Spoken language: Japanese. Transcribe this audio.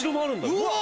うわ！